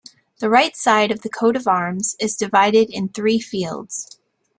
The right side of the coat of arms is divided in three fields.